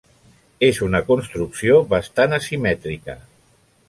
És una construcció bastant asimètrica.